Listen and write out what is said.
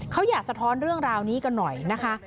เขาอยากสะท้อนเรื่องราวนี้กันหน่อยนะคะ